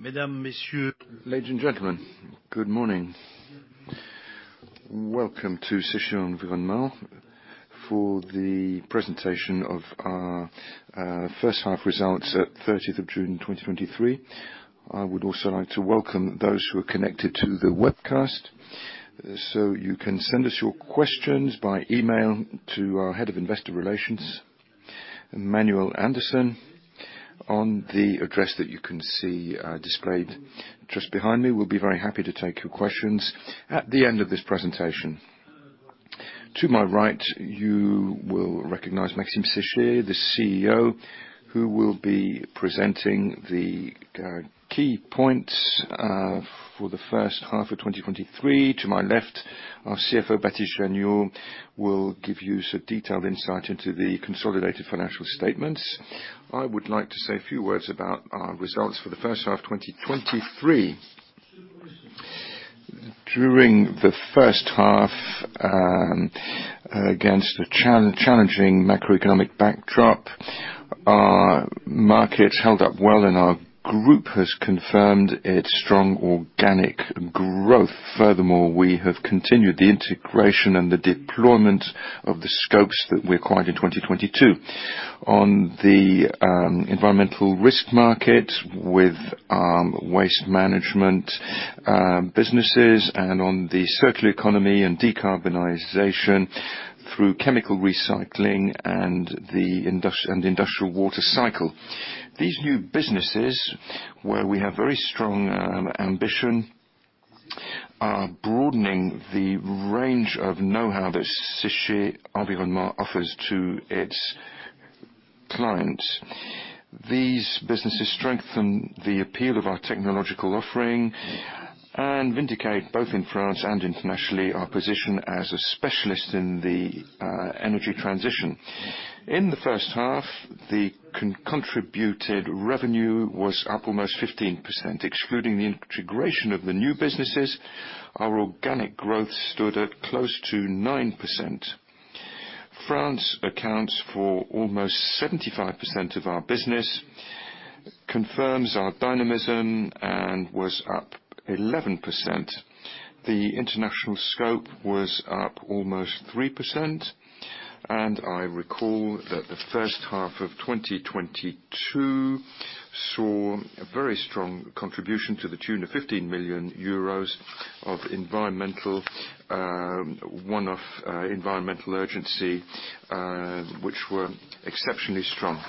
Ladies and gentlemen, good morning. Welcome to Séché Environnement for the presentation of our first half results at 30th of June 2023. I would also like to welcome those who are connected to the webcast. You can send us your questions by email to our Head of Investor Relations, Manuel Andersen, on the address that you can see displayed just behind me. We'll be very happy to take your questions at the end of this presentation. To my right, you will recognize Maxime Séché, the CEO, who will be presenting the key points for the first half of 2023. To my left, our CFO, Baptiste Janiaud, will give you some detailed insight into the consolidated financial statements. I would like to say a few words about our results for the first half of 2023. During the first half, against a challenging macroeconomic backdrop, our markets held up well, and our group has confirmed its strong organic growth. Furthermore, we have continued the integration and the deployment of the scopes that we acquired in 2022. On the environmental risk market, with waste management businesses, and on the circular economy and decarbonization through chemical recycling and the industrial water cycle. These new businesses, where we have very strong ambition, are broadening the range of know-how that Séché Environnement offers to its clients. These businesses strengthen the appeal of our technological offering and vindicate, both in France and internationally, our position as a specialist in the energy transition. In the first half, the contributed revenue was up almost 15%. Excluding the integration of the new businesses, our organic growth stood at close to 9%. France accounts for almost 75% of our business, confirms our dynamism, and was up 11%. The international scope was up almost 3%, and I recall that the first half of 2022 saw a very strong contribution to the tune of 15 million euros of environmental one-off environmental urgency, which were exceptionally strong.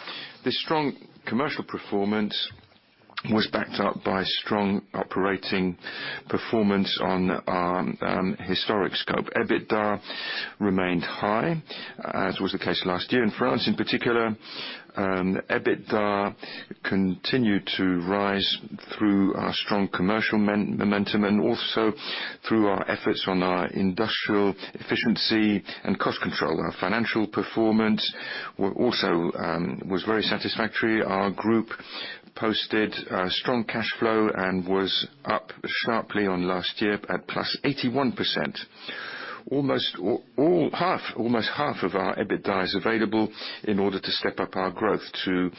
This strong commercial performance was backed up by strong operating performance on our historic scope. EBITDA remained high, as was the case last year. In France, in particular, EBITDA continued to rise through our strong commercial momentum and also through our efforts on our industrial efficiency and cost control. Our financial performance was also very satisfactory. Our group posted a strong cash flow and was up sharply on last year at +81%. Almost half of our EBITDA is available in order to step up our growth, to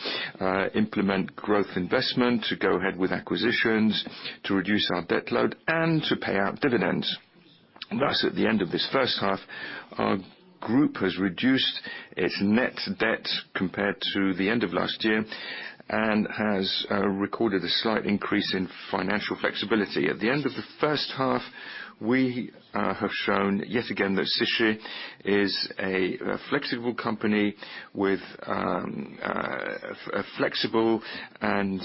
implement growth investment, to go ahead with acquisitions, to reduce our debt load, and to pay out dividends. Thus, at the end of this first half, our group has reduced its net debt compared to the end of last year and has recorded a slight increase in financial flexibility. At the end of the first half, we have shown, yet again, that Séché is a flexible company with a flexible and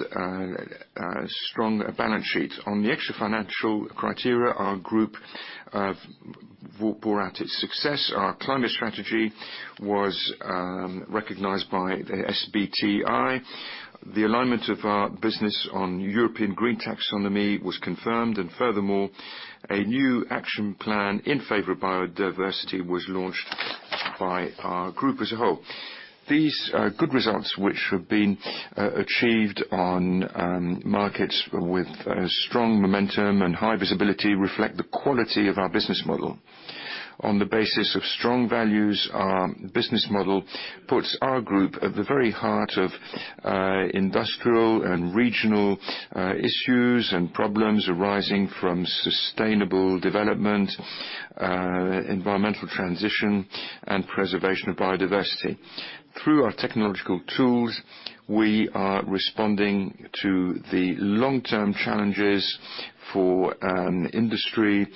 strong balance sheet. On the extra financial criteria, our group bore out its success. Our climate strategy was recognized by the SBTi. The alignment of our business on European Green Taxonomy was confirmed, and furthermore, a new action plan in favor of biodiversity was launched by our group as a whole. These good results, which have been achieved on markets with strong momentum and high visibility, reflect the quality of our business model. On the basis of strong values, our business model puts our group at the very heart of industrial and regional issues and problems arising from sustainable development, environmental transition, and preservation of biodiversity. Through our technological tools, we are responding to the long-term challenges for industry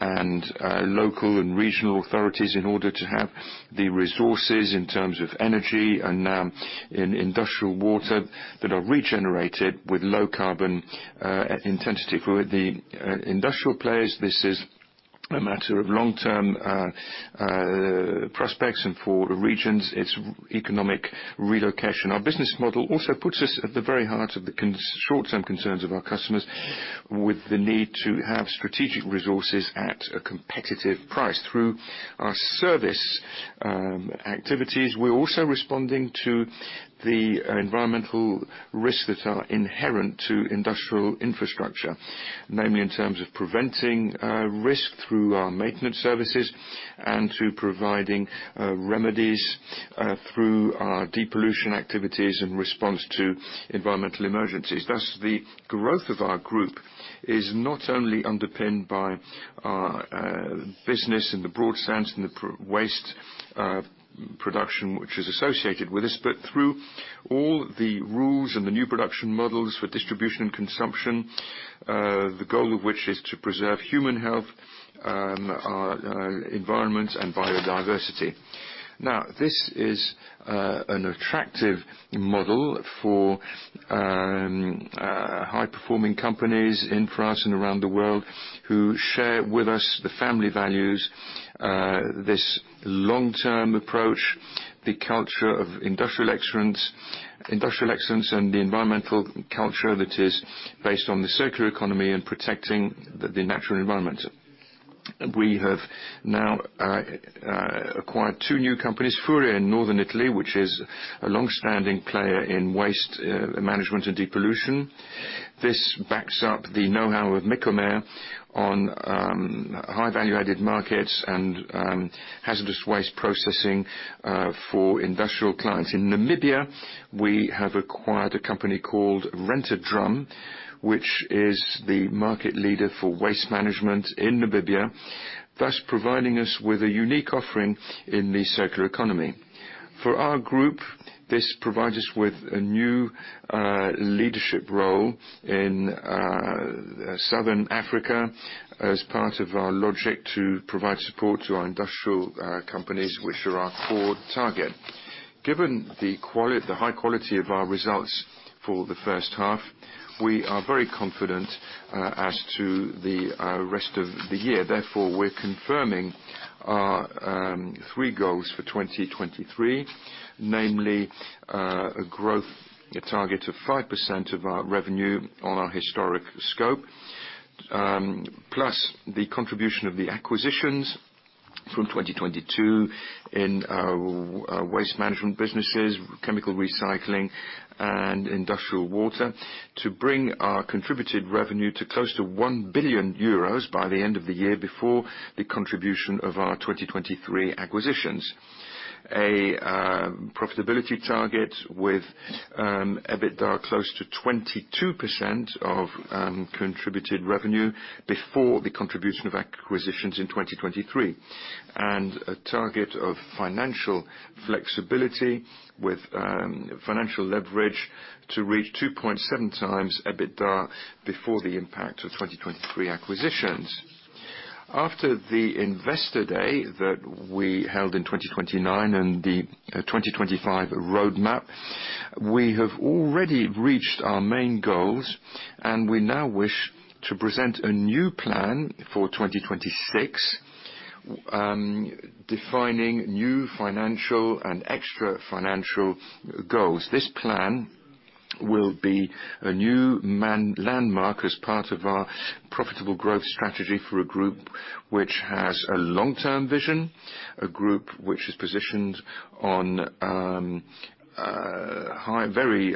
and local and regional authorities in order to have the resources, in terms of energy and in industrial water, that are regenerated with low carbon intensity. For the industrial players, this is a matter of long-term prospects, and for regions, it's economic relocation. Our business model also puts us at the very heart of the short-term concerns of our customers, with the need to have strategic resources at a competitive price. Through our service activities, we're also responding to the environmental risks that are inherent to industrial infrastructure namely in terms of preventing risk through our maintenance services, and through providing remedies through our depollution activities in response to environmental emergencies. Thus, the growth of our group is not only underpinned by our business in the broad sense, in the waste production, which is associated with this, but through all the rules and the new production models for distribution and consumption, the goal of which is to preserve human health, environment and biodiversity. Now, this is an attractive model for high-performing companies in France and around the world, who share with us the family values, this long-term approach, the culture of industrial excellence, industrial excellence, and the environmental culture that is based on the circular economy and protecting the natural environment. We have now acquired two new companies, Furia, in Northern Italy, which is a long-standing player in waste management and depollution. This backs up the know-how of Mecomer on, high value-added markets and, hazardous waste processing, for industrial clients. In Namibia, we have acquired a company called Rent-A-Drum, which is the market leader for waste management in Namibia, thus providing us with a unique offering in the circular economy. For our group, this provides us with a new, leadership role in, Southern Africa, as part of our logic to provide support to our industrial, companies, which are our core target. Given the quality the high quality of our results for the first half, we are very confident, as to the, rest of the year. Therefore, we're confirming our, three goals for 2023, namely, a growth, a target of 5% of our revenue on our historic scope. Plus the contribution of the acquisitions from 2022 in our waste management businesses, chemical recycling, and industrial water, to bring our contributed revenue to close to 1 billion euros by the end of the year, before the contribution of our 2023 acquisitions. Profitability target with EBITDA close to 22% of contributed revenue, before the contribution of acquisitions in 2023, and a target of financial flexibility with financial leverage to reach 2.7x EBITDA, before the impact of 2023 acquisitions. After the Investor Day that we held in 2019, and the 2025 roadmap, we have already reached our main goals, and we now wish to present a new plan for 2026, defining new financial and extra financial goals. This plan will be a new landmark as part of our profitable growth strategy for a group which has a long-term vision, a group which is positioned on high, very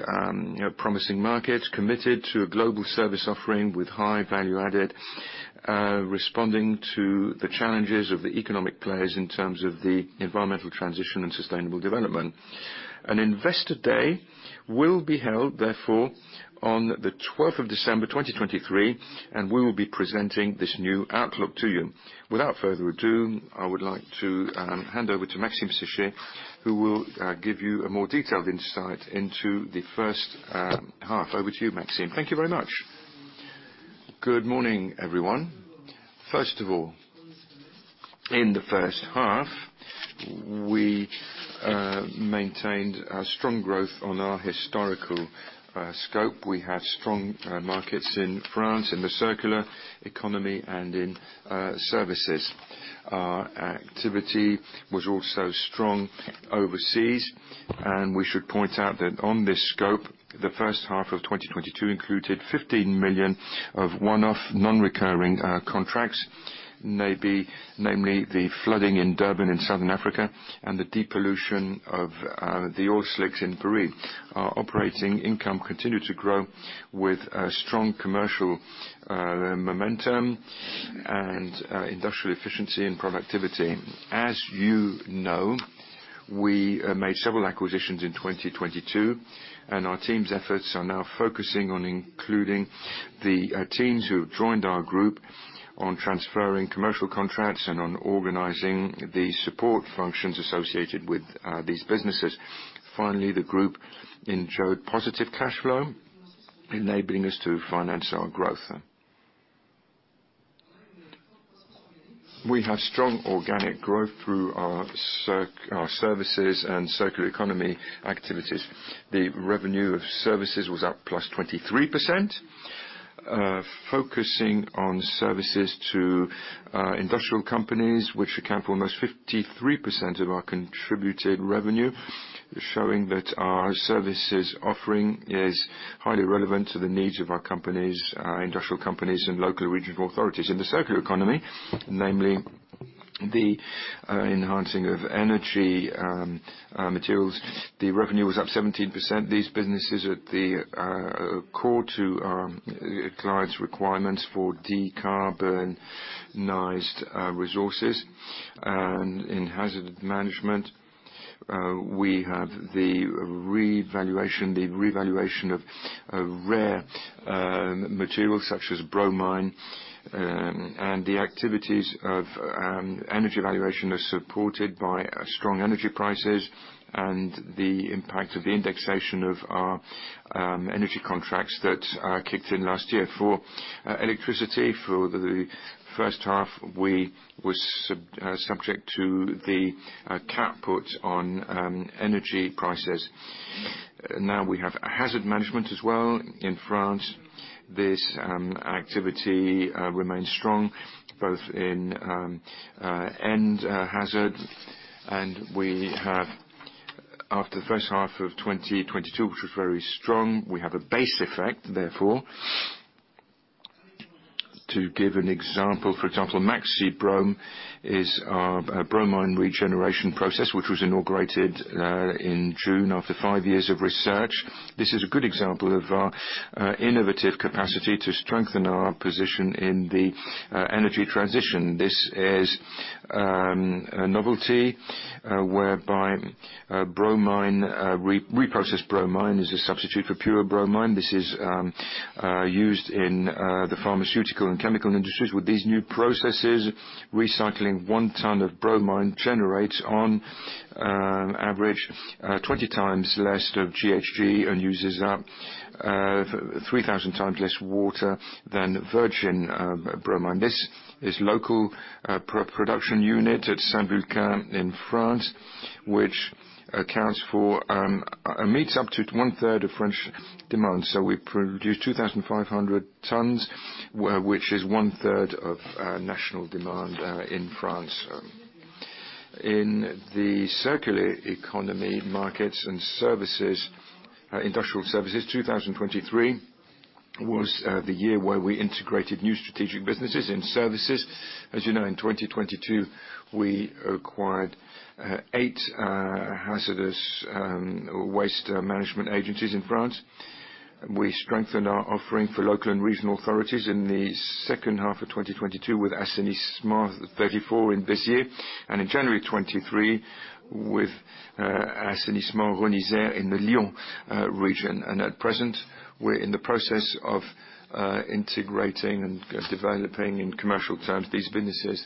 promising markets, committed to a global service offering with high value added, responding to the challenges of the economic players in terms of the environmental transition and sustainable development. An Investor Day will be held, therefore, on the 12th of December, 2023, and we will be presenting this new outlook to you. Without further ado, I would like to hand over to Maxime Séché, who will give you a more detailed insight into the first half. Over to you, Maxime. Thank you very much. Good morning, everyone. First of all, in the first half, we maintained a strong growth on our historical scope. We had strong markets in France, in the circular economy, and in services. Our activity was also strong overseas, and we should point out that on this scope, the first half of 2022 included 15 million of one-off, non-recurring contracts, namely, the flooding in Durban, in Southern Africa, and the depollution of the oil slicks in Peru. Our operating income continued to grow with a strong commercial momentum and industrial efficiency and productivity. As you know, we made several acquisitions in 2022, and our team's efforts are now focusing on including the teams who have joined our group on transferring commercial contracts, and on organizing the support functions associated with these businesses. Finally, the group ensured positive cash flow, enabling us to finance our growth. We have strong organic growth through our services and circular economy activities. The revenue of services was up +23%, focusing on services to industrial companies, which account for almost 53% of our contributed revenue. Showing that our services offering is highly relevant to the needs of our companies, industrial companies, and local regional authorities. In the circular economy, namely the enhancing of energy materials, the revenue was up 17%. These businesses are at the core to client's requirements for decarbonized resources. And in hazard management we have the revaluation of rare materials, such as bromine. The activities of energy valuation are supported by strong energy prices and the impact of the indexation of our energy contracts that kicked in last year. For electricity, for the first half, we was subject to the cap put on energy prices. Now we have hazard management as well in France. This activity remains strong, both in non-hazard, and we have after the first half of 2022, which was very strong, we have a base effect, therefore. To give an example, for example, Maxibrome is our bromine regeneration process, which was inaugurated in June after five years of research. This is a good example of our innovative capacity to strengthen our position in the energy transition. This is a novelty whereby reprocessed bromine is a substitute for pure bromine. This is used in the pharmaceutical and chemical industries. With these new processes, recycling one tonne of bromine generates on average 20 times less of GHG and uses up 3,000 times less water than virgin bromine. This is local production unit at Saint-Vulbas in France, which meets up to one third of French demand. So we produce 2,500 tonnes, which is one third of national demand in France. In the circular economy, markets, and services, industrial services, 2023 was the year where we integrated new strategic businesses in services. As you know, in 2022, we acquired eight hazardous waste management agencies in France. We strengthened our offering for local and regional authorities in the second half of 2022, with Assainissement 34 in Béziers, and in January of 2023, with Assainissement Rhône Isère in the Lyon region. At present, we're in the process of integrating and developing in commercial terms these businesses.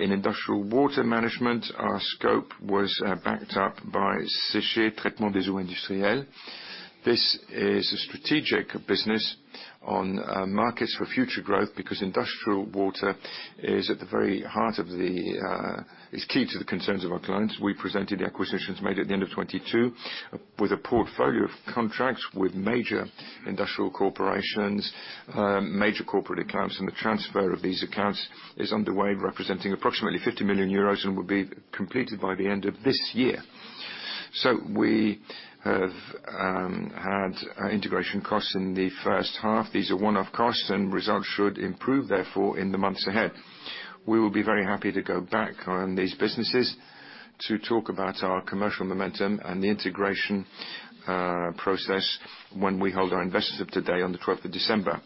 In industrial water management, our scope was backed up by Séché Traitement des Eaux Industrielles. This is a strategic business on markets for future growth, because industrial water is at the very heart of the—is key to the concerns of our clients. We presented the acquisitions made at the end of 2022, with a portfolio of contracts with major industrial corporations, major corporate accounts, and the transfer of these accounts is underway, representing approximately 50 million euros, and will be completed by the end of this year. So we have had integration costs in the first half. These are one-off costs, and results should improve, therefore, in the months ahead. We will be very happy to go back on these businesses to talk about our commercial momentum and the integration process when we hold our investors update on the 12th of December.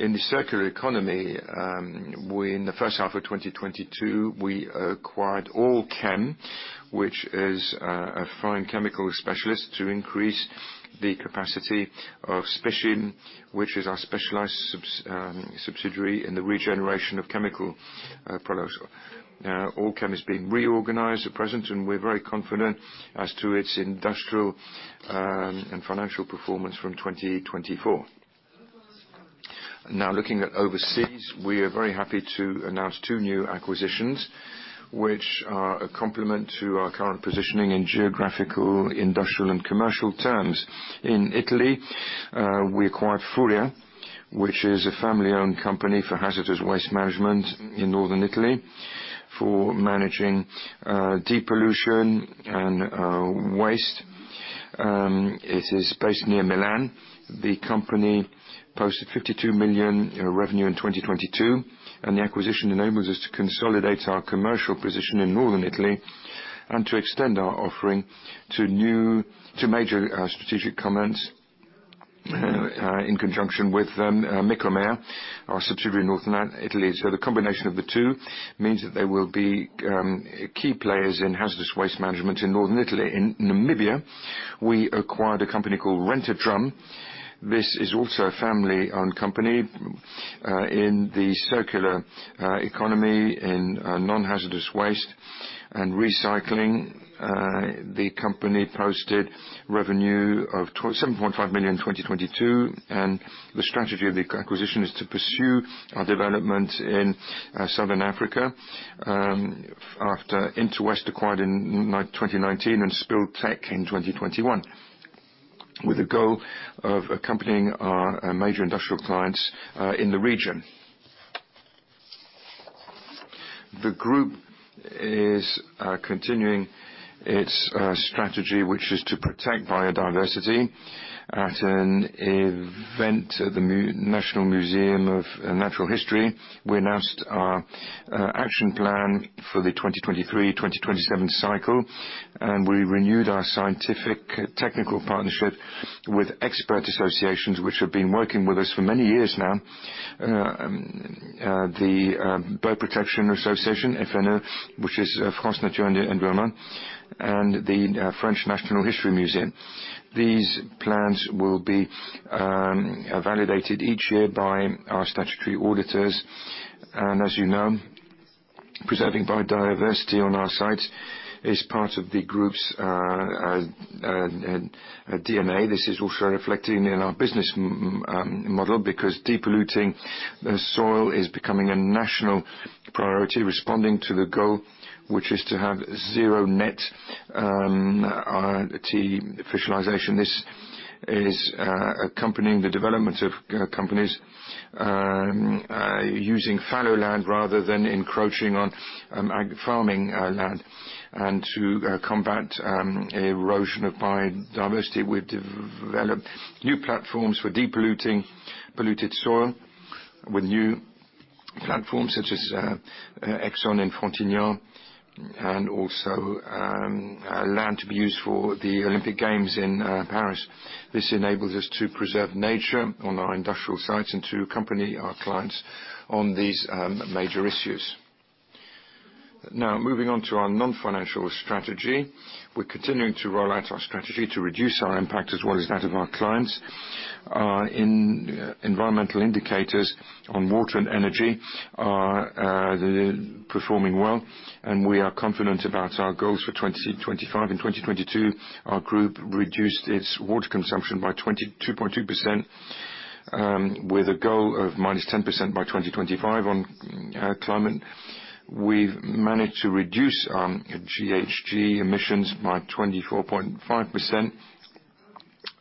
In the circular economy, we, in the first half of 2022, we acquired All'Chem, which is a fine chemical specialist, to increase the capacity of Speichim, which is our specialized subsidiary in the regeneration of chemical products. All'Chem is being reorganized at present, and we're very confident as to its industrial and financial performance from 2024. Now, looking at overseas, we are very happy to announce two new acquisitions, which are a complement to our current positioning in geographical, industrial, and commercial terms. In Italy, we acquired Furia, which is a family-owned company for hazardous waste management in northern Italy, for managing depollution and waste. It is based near Milan. The company posted 52 million revenue in 2022, and the acquisition enables us to consolidate our commercial position in northern Italy and to extend our offering to major strategic clients in conjunction with Mecomer, our subsidiary in northern Italy. So the combination of the two means that they will be key players in hazardous waste management in northern Italy. In Namibia, we acquired a company called Rent-A-Drum. This is also a family-owned company in the circular economy, in non-hazardous waste and recycling. The company posted revenue of 27.5 million in 2022, and the strategy of the acquisition is to pursue our development in southern Africa, after Interwaste acquired in 2019 and Spill Tech in 2021, with the goal of accompanying our major industrial clients in the region. The group is continuing its strategy, which is to protect biodiversity. At an event at the Muséum national d'Histoire naturelle, we announced our action plan for the 2023-2027 cycle, and we renewed our scientific technical partnership with expert associations, which have been working with us for many years now. The Bird Protection Association, LPO, which is France Nature Environnement, and the French National Museum of Natural History. These plans will be validated each year by our statutory auditors. And as you know, preserving biodiversity on our site is part of the group's DNA. This is also reflected in our business model, because de-polluting the soil is becoming a national priority, responding to the goal, which is to have zero net artificialization. This is accompanying the development of companies using fallow land rather than encroaching on farming land, and to combat erosion of biodiversity. We've developed new platforms for de-polluting polluted soil with new platforms such as Aix-en and Fontenay, and also land to be used for the Olympic Games in Paris. This enables us to preserve nature on our industrial sites and to accompany our clients on these major issues. Now, moving on to our non-financial strategy. We're continuing to roll out our strategy to reduce our impact, as well as that of our clients. Our environmental indicators on water and energy are performing well, and we are confident about our goals for 2025. In 2022, our group reduced its water consumption by 22.2%, with a goal of -10% by 2025. On climate, we've managed to reduce GHG emissions by 24.5%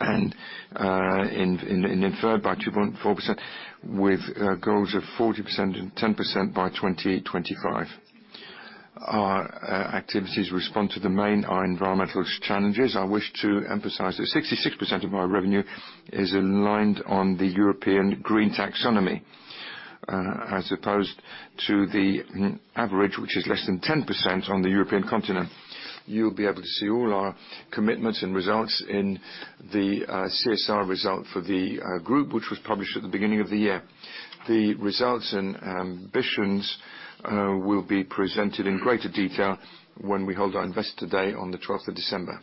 and energy by 2.4%, with goals of 40% and 10% by 2025. Our activities respond to our environmental challenges. I wish to emphasize that 66% of our revenue is aligned on the European Green Taxonomy, as opposed to the average, which is less than 10% on the European continent. You'll be able to see all our commitments and results in the CSR result for the group, which was published at the beginning of the year. The results and ambitions will be presented in greater detail when we hold our Investor Day on the twelfth of December.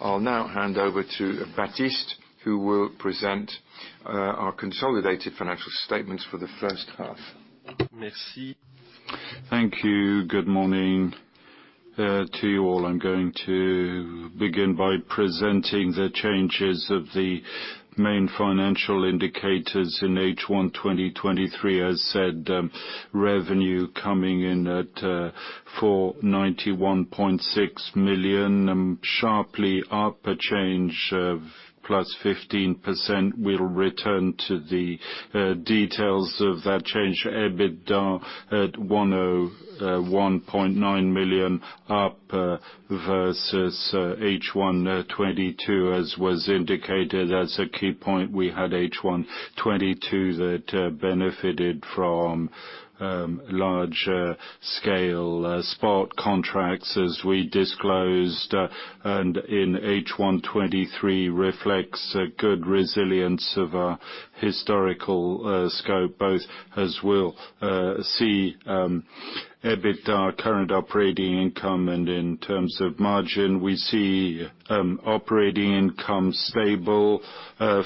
I'll now hand over to Baptiste, who will present our consolidated financial statements for the first half. Merci. Thank you. Good morning, to you all. I'm going to begin by presenting the changes of the main financial indicators in H1 2023. As said, revenue coming in at 491.6 million, sharply up, a change of +15%. We'll return to the details of that change. EBITDA at 101.9 million, up versus H1 2022. As was indicated, as a key point, we had H1 2022 that benefited from large scale spot contracts, as we disclosed, and in H1 2023 reflects a good resilience of our historical scope, both as we'll see, EBITDA current operating income. And in terms of margin, we see operating income stable.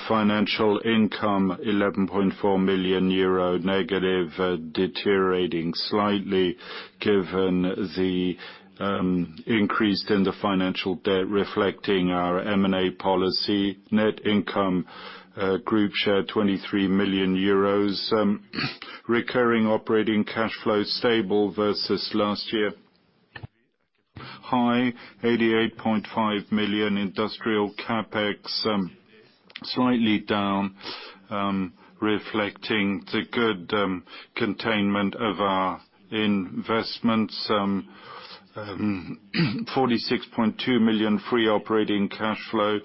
Financial income 11.4 million euro, negative, deteriorating slightly given the increase in the financial debt, reflecting our M&A policy. Net income, group share 23 million euros. Recurring operating cash flow, stable versus last year. High, EUR 88.5 million industrial CapEx, slightly down, reflecting the good containment of our investments. 46.2 million free operating cash flow,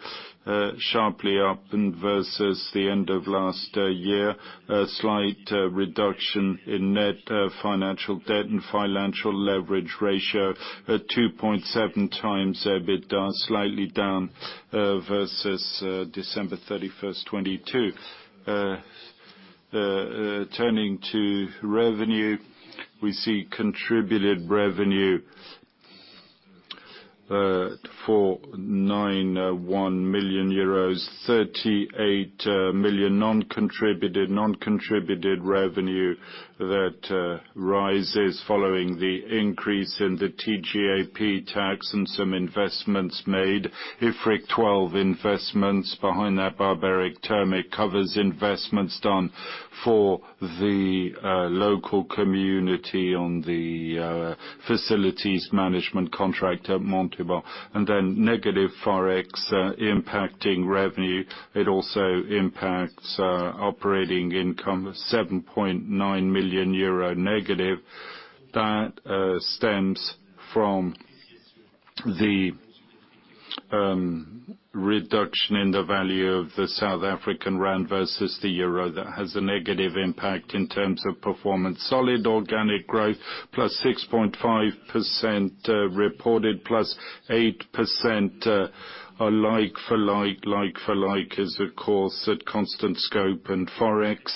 sharply up and versus the end of last year, a slight reduction in net financial debt and financial leverage ratio, a 2.7x EBITDA, slightly down versus December 31, 2022. Turning to revenue, we see contributed revenue, EUR 491 million, 38 million non-contributed, non-contributed revenue that rises following the increase in the TGAP tax and some investments made. IFRIC 12 investments. Behind that barbaric term, it covers investments done for the local community on the facilities management contract at Montauban. And then negative Forex impacting revenue. It also impacts operating income of -7.9 million euro. That stems from the reduction in the value of the South African rand versus the euro. That has a negative impact in terms of performance. Solid organic growth +6.5%, reported +8%, are like for like. Like for like is, of course, at constant scope and Forex.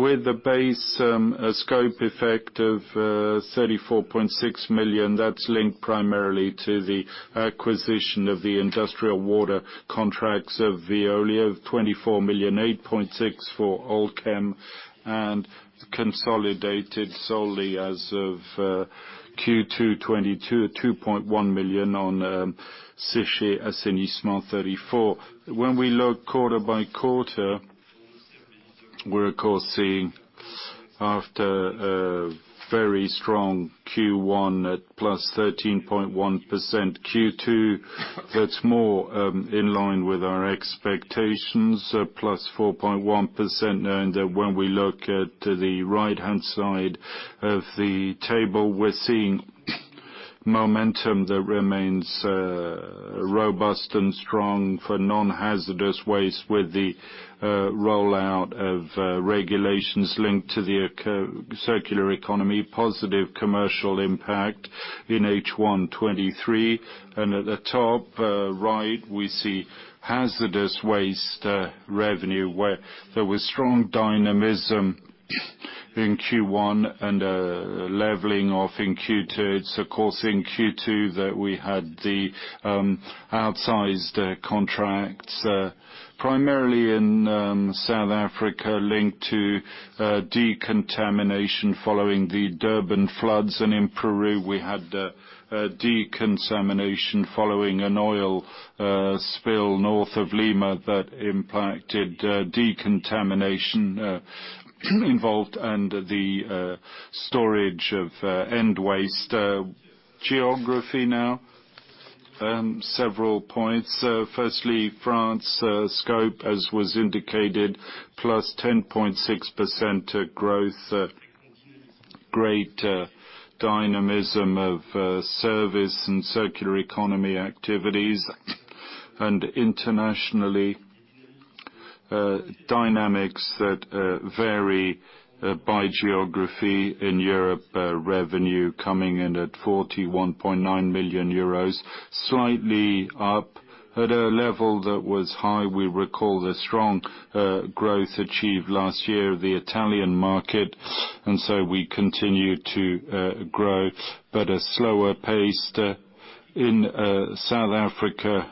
With the base, a scope effect of 34.6 million, that's linked primarily to the acquisition of the industrial water contracts of Veolia, of 24 million, 8.6 million for All'Chem, and consolidated solely as of Q2 2022, EUR 2.1 million on Séché Assainissement 34. When we look quarter by quarter, we're of course seeing after a very strong Q1 at +13.1%, Q2 that's more in line with our expectations, so +4.1%, knowing that when we look at the right-hand side of the table, we're seeing momentum that remains robust and strong for non-hazardous waste with the rollout of regulations linked to the eco-circular economy, positive commercial impact in H1-2023. And at the top right, we see hazardous waste revenue, where there was strong dynamism in Q1 and leveling off in Q2. It's of course in Q2 that we had the outsized contracts primarily in South Africa, linked to decontamination following the Durban floods. In Peru, we had a decontamination following an oil spill north of Lima that impacted decontamination involved and the storage of end waste. Geography now, several points. Firstly, France scope, as was indicated, +10.6% growth, great dynamism of service and circular economy activities. Internationally, dynamics that vary by geography. In Europe, revenue coming in at 41.9 million euros, slightly up at a level that was high. We recall the strong growth achieved last year, the Italian market, and so we continue to grow, but a slower pace. In South Africa,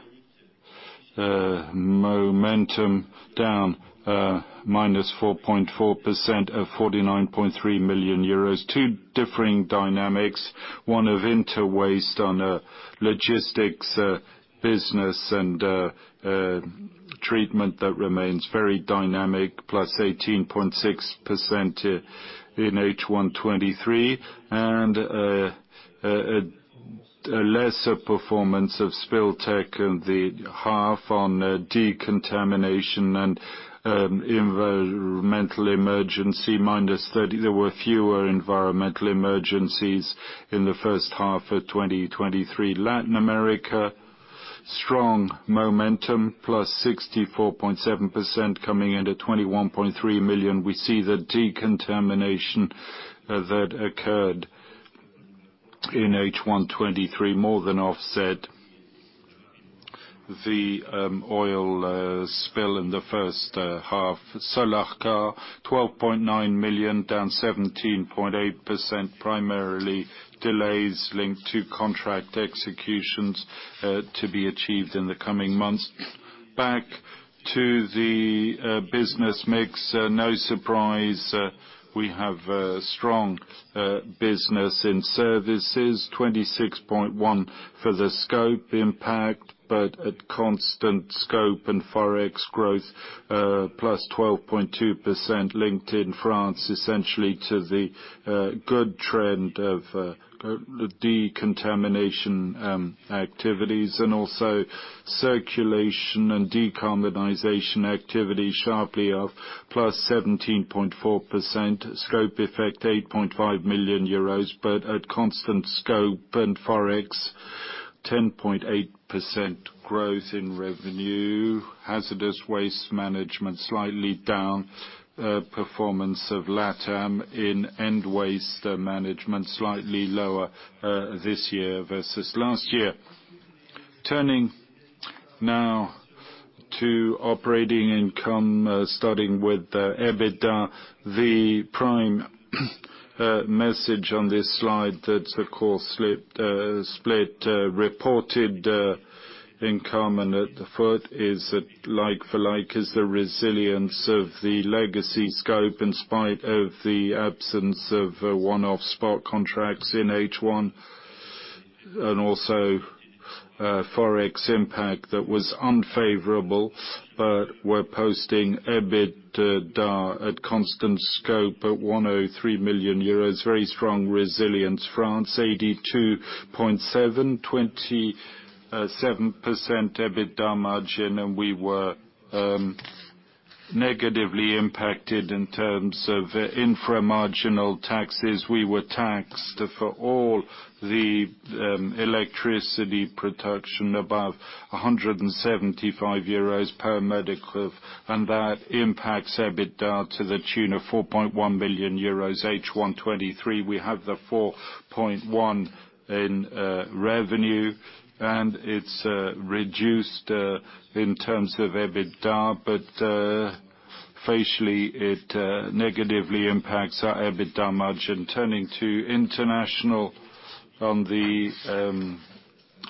momentum down, -4.4% of 49.3 million euros. Two differing dynamics, one of Interwaste on a logistics business and treatment that remains very dynamic, +18.6% in H1 2023, and a lesser performance of Spill Tech in the half on decontamination and environmental emergency, -30%. There were fewer environmental emergencies in the first half of 2023. Latin America, strong momentum, +64.7% coming in at 21.3 million. We see the decontamination that occurred in H1 2023 more than offset the oil spill in the first half. Solarca, 12.9 million, down -17.8%, primarily delays linked to contract executions to be achieved in the coming months. Back to the business mix, no surprise, we have a strong business in services, 26.1 for the scope impact, but at constant scope and forex growth, +12.2% linked in France, essentially to the good trend of decontamination activities and also circulation and decarbonization activity sharply off, +17.4%. Scope effect, 8.5 million euros, but at constant scope and forex, 10.8% growth in revenue. Hazardous waste management, slightly down. Performance of Latam in end waste management, slightly lower, this year versus last year. Turning now to operating income, starting with EBITDA, the prime message on this slide that's of course split reported in common at the foot, is that like for like the resilience of the legacy scope in spite of the absence of one-off spot contracts in H1, and also forex impact that was unfavorable. But we're posting EBITDA at constant scope at 103 million euros. Very strong resilience. France, 82.7, 27% EBITDA margin, and we were negatively impacted in terms of infra-marginal taxes. We were taxed for all the electricity production above 175 euros per MWh, and that impacts EBITDA to the tune of 4.1 million euros, H1 2023. We have the 4.1 in revenue, and it's reduced in terms of EBITDA, but facially, it negatively impacts our EBITDA margin. Turning to international, on the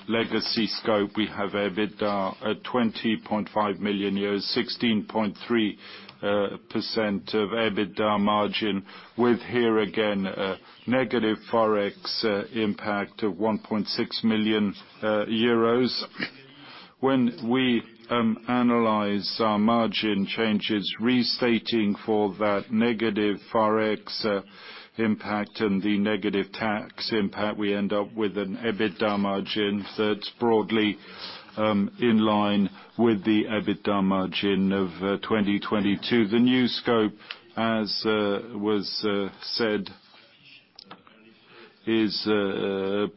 legacy scope, we have EBITDA at 20.5 million euros, 16.3% EBITDA margin, with here again, a negative forex impact of 1.6 million euros. When we analyze our margin changes, restating for that negative forex impact and the negative tax impact, we end up with an EBITDA margin that's broadly in line with the EBITDA margin of 2022. The new scope, as was said, is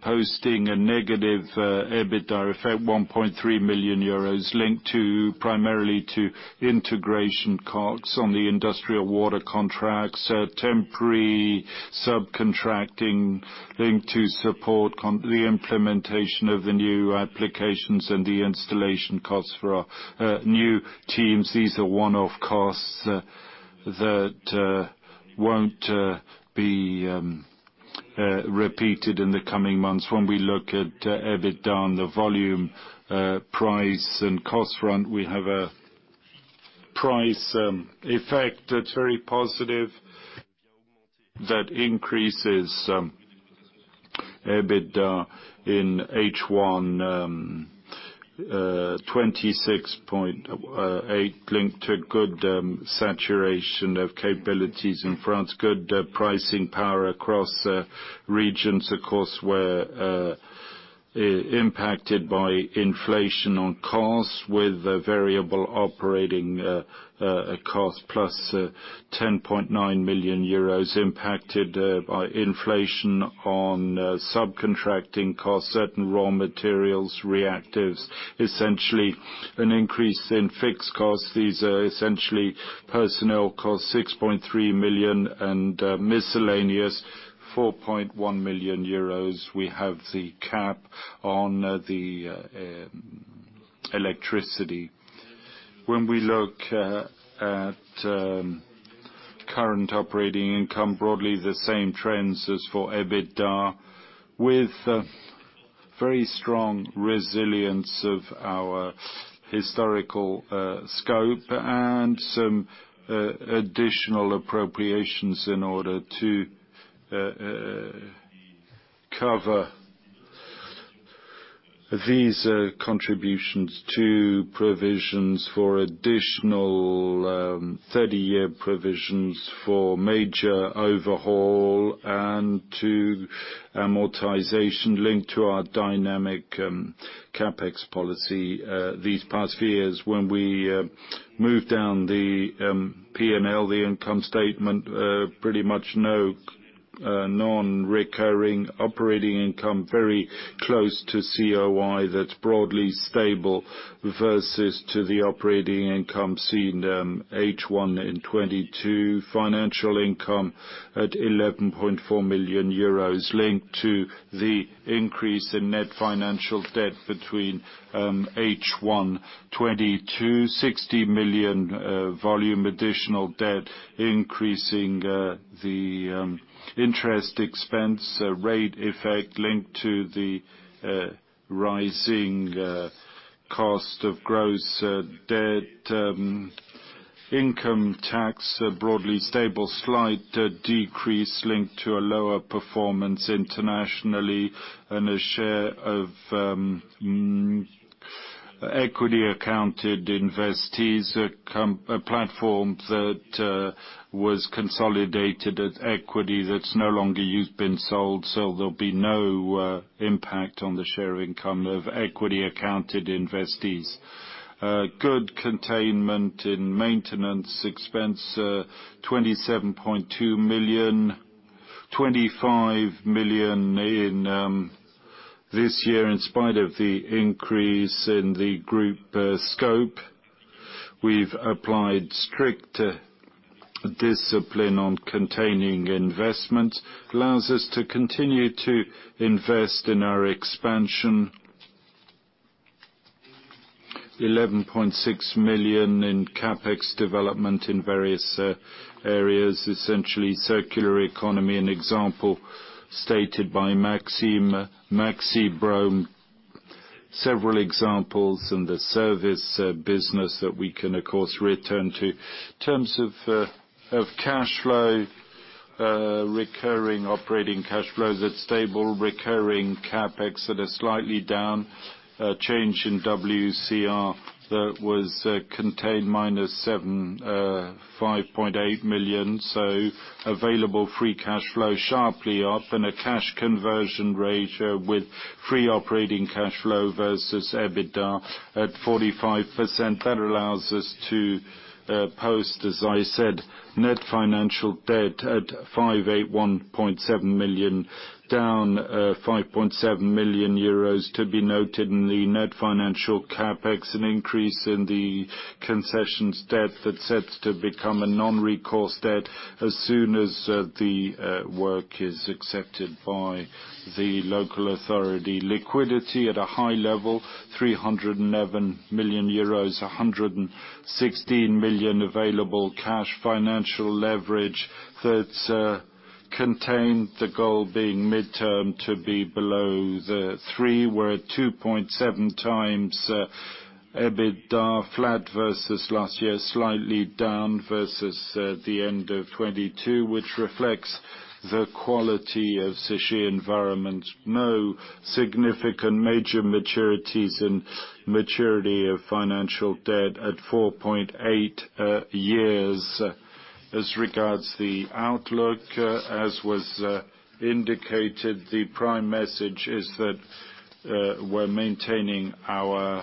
posting a negative EBITDA effect, 1.3 million euros linked to, primarily to integration costs on the industrial water contracts, temporary subcontracting linked to the implementation of the new applications and the installation costs for our new teams. These are one-off costs that won't be repeated in the coming months. When we look at EBITDA, and the volume, price, and cost front, we have a price effect that's very positive, that increases EBITDA in H1 26.8 million, linked to good saturation of capabilities in France, good pricing power across regions, of course were impacted by inflation on costs, with a variable operating cost +EUR 10.9 million, impacted by inflation on subcontracting costs, certain raw materials, reactors, essentially an increase in fixed costs. These are essentially personnel costs, 6.3 million, and miscellaneous, 4.1 million euros. We have the cap on the electricity. When we look at current operating income, broadly, the same trends as for EBITDA, with a very strong resilience of our historical scope and some additional appropriations in order to cover these contributions to provisions for additional 30-year provisions for major overhaul and to amortization linked to our dynamic CapEx policy these past few years. When we move down the P&L, the income statement, pretty much no non-recurring operating income, very close to COI that's broadly stable versus to the operating income seen H1 in 2022. Financial income at 11.4 million euros, linked to the increase in net financial debt between H1 2022, 60 million volume additional debt, increasing the interest expense rate effect linked to the rising cost of gross debt. Income tax, broadly stable, slight decrease linked to a lower performance internationally, and a share of equity accounted investees, a platform that was consolidated at equity, that's no longer used, been sold, so there'll be no impact on the share income of equity accounted investees. Good containment in maintenance expense, 27.2 million, 25 million in this year, in spite of the increase in the group scope. We've applied strict discipline on containing investments, allows us to continue to invest in our expansion. 11.6 million in CapEx development in various areas, essentially circular economy, an example stated by Maxime, Maxibrome. Several examples in the service business that we can, of course, return to. In terms of cash flow, recurring operating cash flows, it's stable, recurring CapEx that are slightly down, a change in WCR that was contained -75.8 million. So available free cash flow sharply up and a cash conversion ratio with free operating cash flow versus EBITDA at 45%. That allows us to post, as I said, net financial debt at 581.7 million down 5.7 million euros. To be noted in the net financial CapEx, an increase in the concessions debt that sets to become a non-recourse debt as soon as the work is accepted by the local authority. Liquidity at a high level, 311 million euros, 116 million available cash, financial leverage that contained, the goal being midterm to be below the 3x, we're at 2.7x EBITDA, flat versus last year, slightly down versus the end of 2022, which reflects the quality of Veolia Environnement. No significant major maturities in maturity of financial debt at 4.8 years. As regards the outlook, as was indicated, the prime message is that we're maintaining our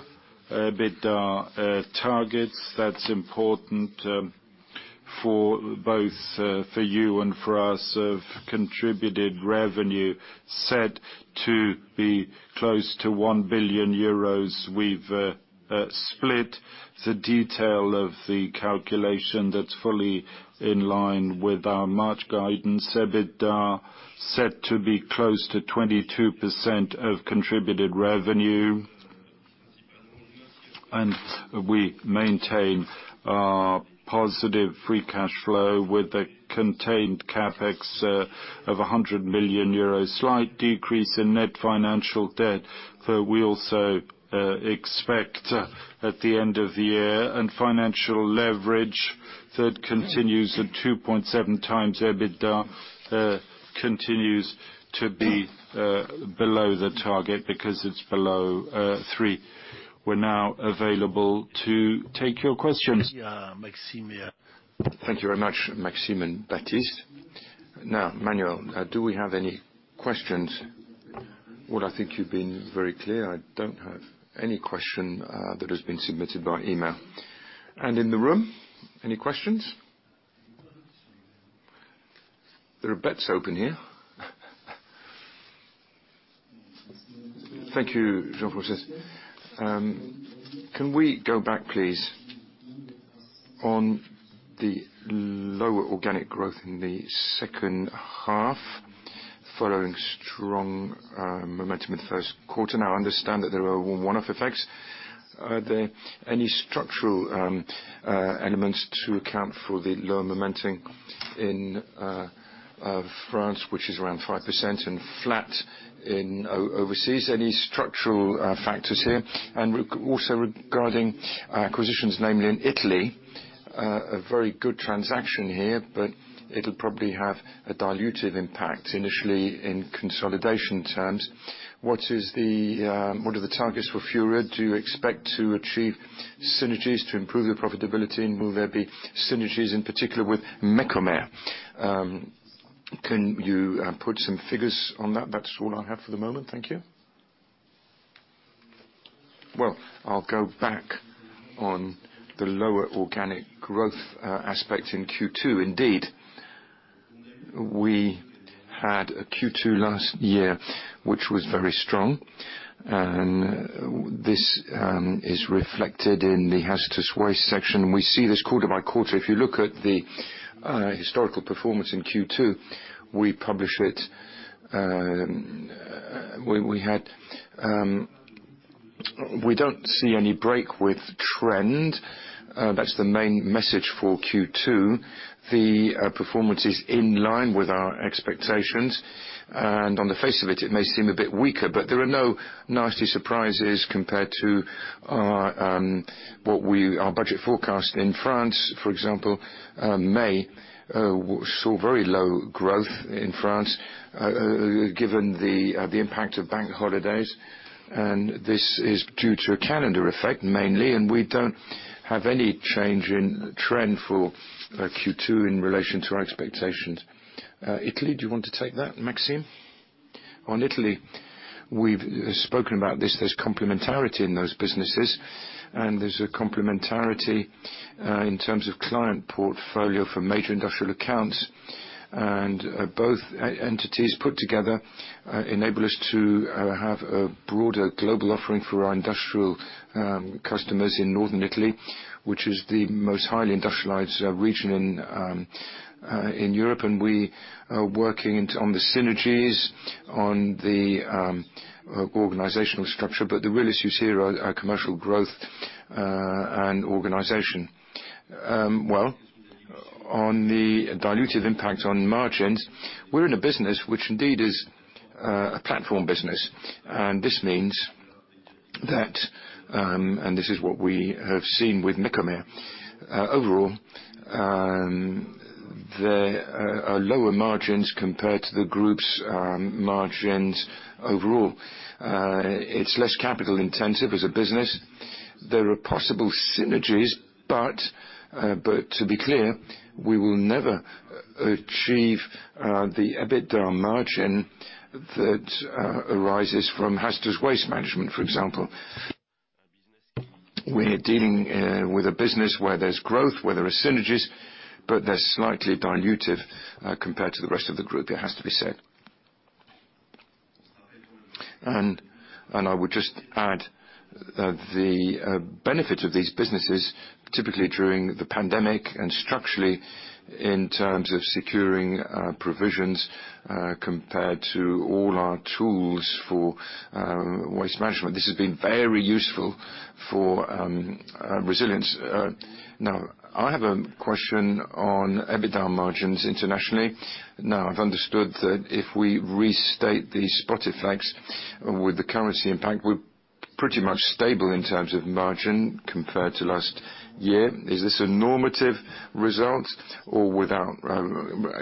EBITDA targets. That's important, for both, for you and for us, of contributed revenue, set to be close to 1 billion euros. We've, split the detail of the calculation that's fully in line with our March guidance. EBITDA set to be close to 22% of contributed revenue. And we maintain our positive free cash flow with a contained CapEx, of 100 million euros. Slight decrease in net financial debt, though we also, expect, at the end of the year, and financial leverage that continues at 2.7x EBITDA, continues to be, below the target, because it's below, 3x. We're now available to take your questions. Thank you very much, Maxime and Baptiste. Now, Manuel, do we have any questions? Well, I think you've been very clear. I don't have any question that has been submitted by email. In the room, any questions? There are bets open here. Thank you, Jean-François. Can we go back, please, on the lower organic growth in the second half, following strong momentum in the first quarter? Now, I understand that there were one-off effects. Are there any structural elements to account for the lower momentum in France, which is around 5%, and flat in overseas? Any structural factors here? And also regarding acquisitions, namely in Italy, a very good transaction here, but it'll probably have a dilutive impact initially in consolidation terms. What are the targets for Furia? Do you expect to achieve synergies to improve the profitability, and will there be synergies, in particular with Mecomer? Can you put some figures on that? That's all I have for the moment. Thank you. Well, I'll go back on the lower organic growth aspect in Q2. Indeed, we had a Q2 last year, which was very strong, and this is reflected in the hazardous waste section. We see this quarter by quarter. If you look at the historical performance in Q2, we publish it. We don't see any break with trend. That's the main message for Q2. The performance is in line with our expectations, and on the face of it, it may seem a bit weaker, but there are no nasty surprises compared to our budget forecast. In France, for example, May saw very low growth in France, given the impact of bank holidays, and this is due to a calendar effect, mainly, and we don't have any change in trend for Q2 in relation to our expectations. Italy, do you want to take that, Maxime? On Italy, we've spoken about this. There's complementarity in those businesses, and there's a complementarity in terms of client portfolio for major industrial accounts. Both entities put together enable us to have a broader global offering for our industrial customers in northern Italy, which is the most highly industrialized region in Europe. We are working on the synergies, on the organizational structure, but the real issues here are commercial growth and organization. Well, on the dilutive impact on margins, we're in a business which indeed is a platform business, and this means that—and this is what we have seen with Mecomer. Overall, there are lower margins compared to the group's margins overall. It's less capital intensive as a business. There are possible synergies, but, but to be clear, we will never achieve the EBITDA margin that arises from hazardous waste management, for example, we're dealing with a business where there's growth, where there are synergies, but they're slightly dilutive compared to the rest of the group, it has to be said. I would just add that the benefit of these businesses, typically during the pandemic and structurally in terms of securing provisions, compared to all our tools for waste management, this has been very useful for resilience. Now, I have a question on EBITDA margins internationally. Now, I've understood that if we restate the spot effects with the currency impact, we're pretty much stable in terms of margin compared to last year. Is this a normative result? Or without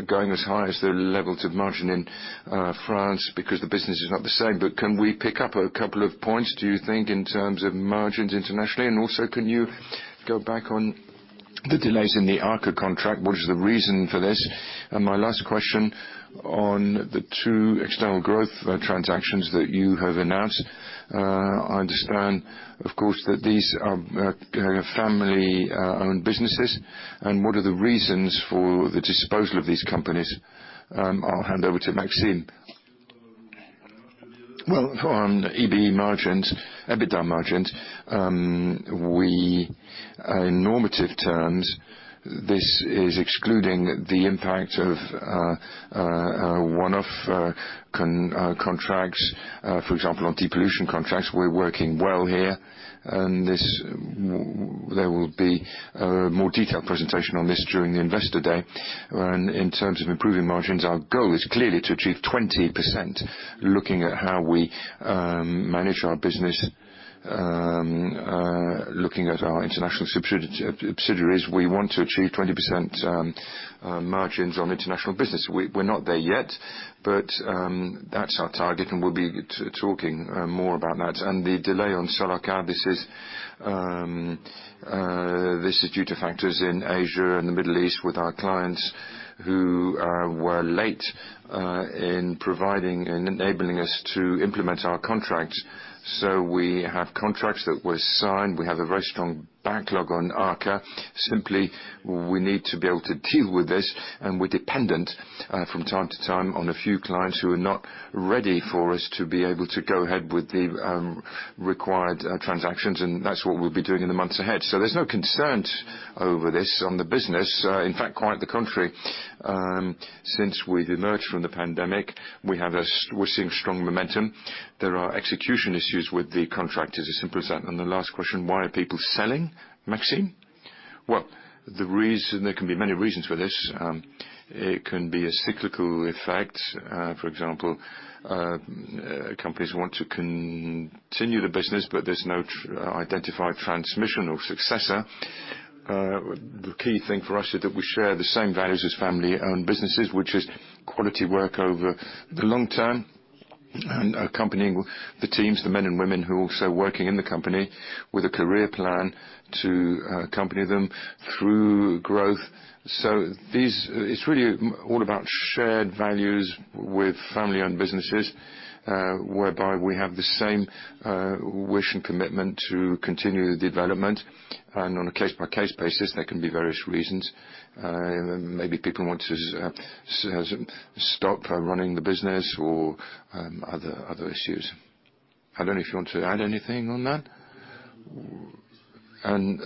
going as high as the levels of margin in France, because the business is not the same, but can we pick up a couple of points, do you think, in terms of margins internationally? And also, can you go back on the delays in the Solarca contract? What is the reason for this? My last question, on the two external growth transactions that you have announced, I understand, of course, that these are family-owned businesses, and what are the reasons for the disposal of these companies? I'll hand over to Maxime. Well, on EBE margins, EBITDA margins, we in normative terms, this is excluding the impact of one-off contracts. For example, on depollution contracts, we're working well here, and there will be a more detailed presentation on this during the Investor Day. In terms of improving margins, our goal is clearly to achieve 20%. Looking at how we manage our business, looking at our international subsidiaries, we want to achieve 20% margins on international business. We're not there yet, but that's our target, and we'll be talking more about that. The delay on Solarca, this is due to factors in Asia and the Middle East with our clients, who were late in providing and enabling us to implement our contract. So we have contracts that were signed. We have a very strong backlog on Solarca. Simply, we need to be able to deal with this, and we're dependent from time to time on a few clients who are not ready for us to be able to go ahead with the required transactions, and that's what we'll be doing in the months ahead. So there's no concern over this on the business. In fact, quite the contrary. Since we've emerged from the pandemic, we're seeing strong momentum. There are execution issues with the contract. It's as simple as that. And the last question, why are people selling, Maxime? Well, the reason. There can be many reasons for this. It can be a cyclical effect. For example, companies want to continue the business, but there's no identified transmission or successor. The key thing for us is that we share the same values as family-owned businesses, which is quality work over the long term, and accompanying the teams, the men and women who are also working in the company, with a career plan to accompany them through growth. So these, it's really all about shared values with family-owned businesses, whereby we have the same wish and commitment to continue the development, and on a case-by-case basis, there can be various reasons. Maybe people want to stop running the business or other issues. I don't know if you want to add anything on that?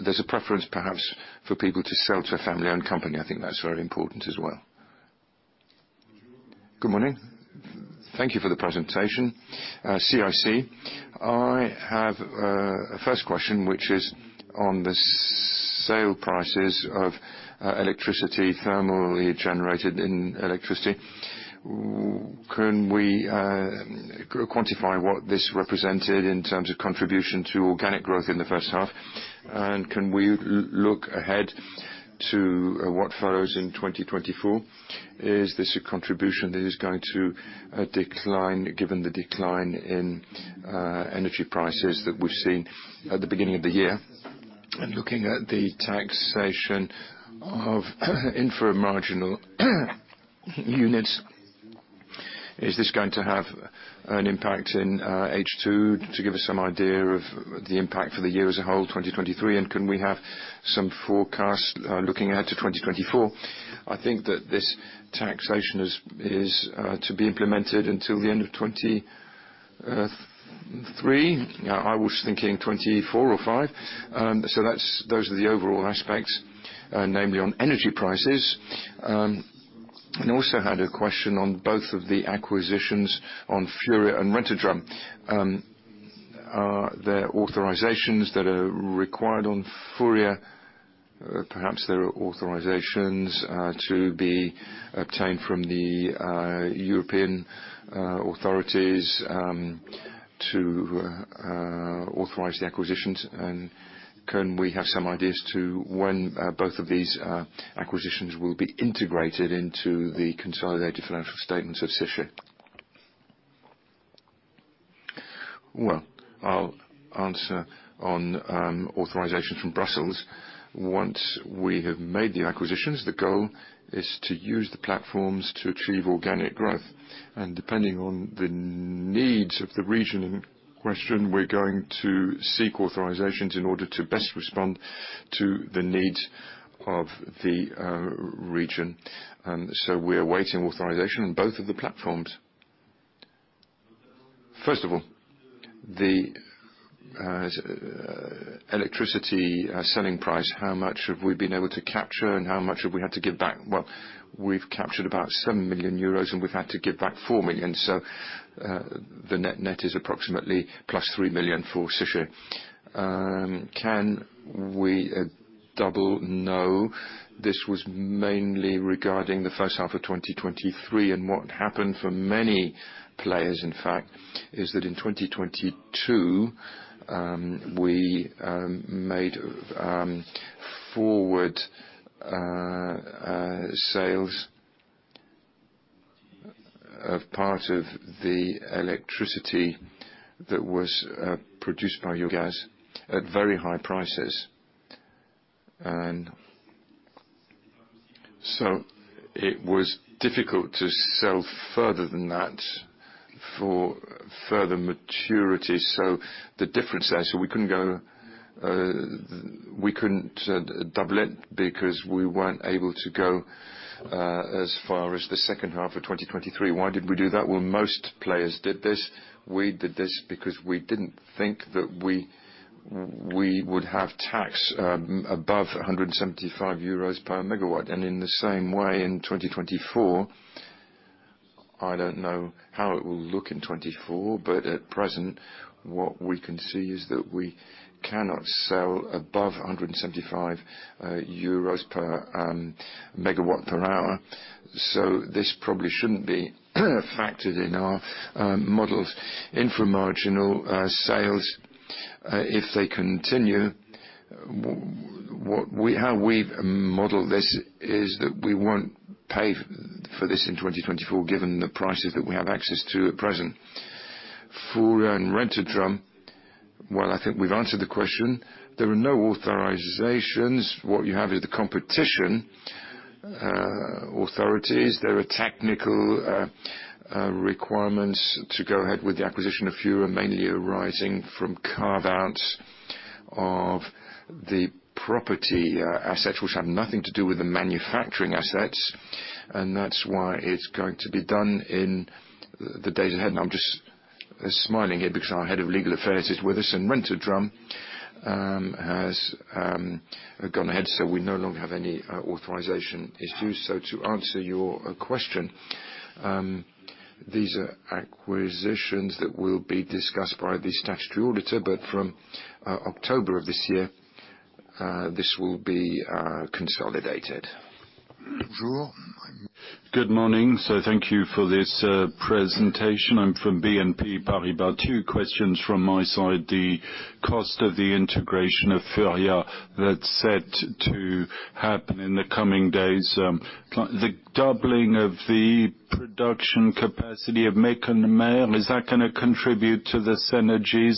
There's a preference, perhaps, for people to sell to a family-owned company. I think that's very important as well. Good morning. Thank you for the presentation. CIC. I have a first question, which is on the sale prices of electricity thermally generated in electricity. Can we quantify what this represented in terms of contribution to organic growth in the first half? And can we look ahead to what follows in 2024? Is this a contribution that is going to decline, given the decline in energy prices that we've seen at the beginning of the year? Looking at the taxation of infra-marginal units, is this going to have an impact in H2, to give us some idea of the impact for the year as a whole, 2023? Can we have some forecast looking ahead to 2024? I think that this taxation is to be implemented until the end of 2023. I was thinking 2024 or 2025, so that's those are the overall aspects, namely on energy prices. And I also had a question on both of the acquisitions, on Furia and Rent-A-Drum. Are there authorizations that are required on Furia? Perhaps there are authorizations to be obtained from the European authorities to authorize the acquisitions? Can we have some ideas to when both of these acquisitions will be integrated into the consolidated financial statements of Séché? Well, I'll answer on authorizations from Brussels. Once we have made the acquisitions, the goal is to use the platforms to achieve organic growth, and depending on the needs of the region, we're going to seek authorizations in order to best respond to the needs of the region. So we are awaiting authorization on both of the platforms. First of all, the electricity selling price, how much have we been able to capture, and how much have we had to give back? Well, we've captured about 7 million euros, and we've had to give back 4 million. So, the net is approximately +3 million for this year. Can we double? No. This was mainly regarding the first half of 2023, and what happened for many players, in fact, is that in 2022, we made forward sales of part of the electricity that was produced by biogas at very high prices. And so it was difficult to sell further than that for further maturity. So the difference there, so we couldn't go, we couldn't double it, because we weren't able to go as far as the second half of 2023. Why did we do that? Well, most players did this. We did this because we didn't think that we would have tax above 175 euros per MW. In the same way, in 2024, I don't know how it will look in 2024, but at present, what we can see is that we cannot sell above 175 euros per MWh. So this probably shouldn't be factored in our models. Infra-marginal sales, if they continue, how we've modeled this is that we won't pay for this in 2024, given the prices that we have access to at present. For Rent-A-Drum, well, I think we've answered the question. There are no authorizations. What you have is the competition authorities. There are technical requirements to go ahead with the acquisition of Furia, mainly arising from carve-outs of the property assets, which have nothing to do with the manufacturing assets, and that's why it's going to be done in the days ahead. And I'm just smiling here because our head of legal affairs is with us, and Rent-A-Drum has gone ahead, so we no longer have any authorization issue. So to answer your question, these are acquisitions that will be discussed by the statutory auditor, but from October of this year, this will be consolidated. Good morning. So thank you for this presentation. I'm from BNP Paribas. Two questions from my side. The cost of the integration of Furia that's set to happen in the coming days, the doubling of the production capacity of Mecomer, is that gonna contribute to the synergies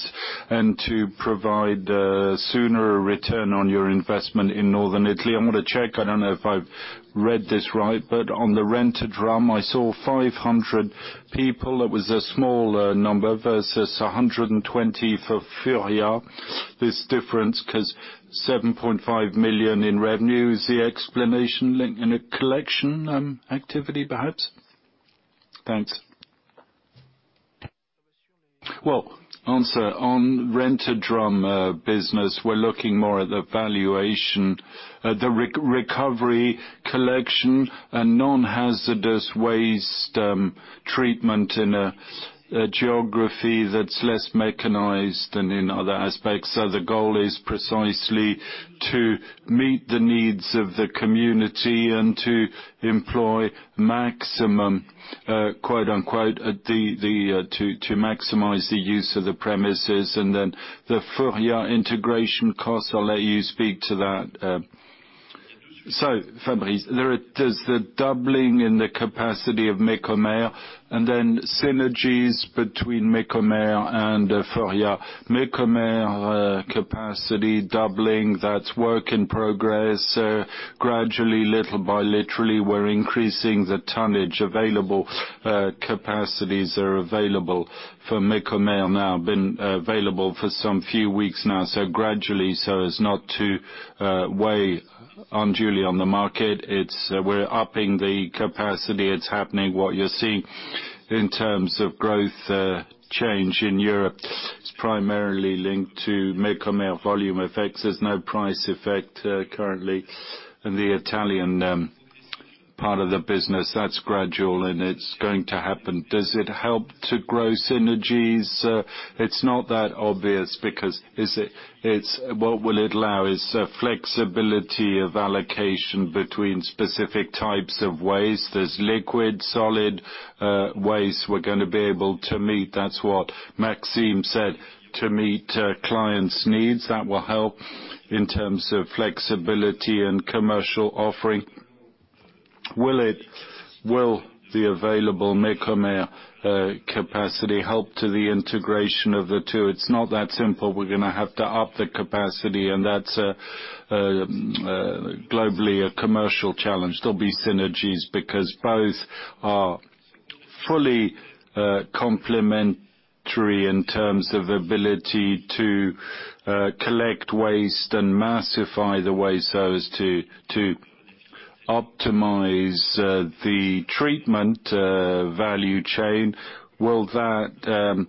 and to provide a sooner return on your investment in northern Italy? I want to check, I don't know if I've read this right, but on the Rent-A-Drum, I saw 500 people. That was a small number versus 120 for Furia. This difference, 'cause 7.5 million in revenue, is the explanation linked in a collection activity, perhaps? Thanks. Well, answer on Rent-A-Drum business, we're looking more at the valuation, at the recovery, collection, and non-hazardous waste treatment in a geography that's less mechanized than in other aspects. So the goal is precisely to meet the needs of the community and to employ maximum, quote unquote, to maximize the use of the premises. And then the Furia integration cost, I'll let you speak to that. So, Fabrice, there are—does the doubling in the capacity of Mecomer, and then synergies between Mecomer and Furia. Mecomer capacity doubling, that's work in progress. Gradually, little by little, we're increasing the tonnage. Available capacities are available for Mecomer now, been available for a few weeks now, so gradually, so as not to weigh unduly on the market. It's, we're upping the capacity. It's happening. What you're seeing in terms of growth, change in Europe is primarily linked to Mecomer volume effects. There's no price effect currently in the Italian part of the business. That's gradual, and it's going to happen. Does it help to grow synergies? It's not that obvious because is it—it's. What will it allow is a flexibility of allocation between specific types of waste. There's liquid, solid waste we're gonna be able to meet. That's what Maxime said, to meet clients' needs. That will help in terms of flexibility and commercial offering. Will it-- Will the available Mecomer capacity help to the integration of the two? It's not that simple. We're gonna have to up the capacity, and that's a globally, a commercial challenge. There'll be synergies because both are fully complementary in terms of ability to collect waste and massify the waste so as to optimize the treatment value chain. Will that